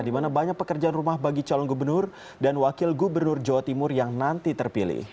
di mana banyak pekerjaan rumah bagi calon gubernur dan wakil gubernur jawa timur yang nanti terpilih